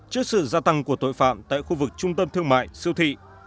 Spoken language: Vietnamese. trước sự gia tăng của tội phạm tại khu vực trung tâm thương mại siêu thị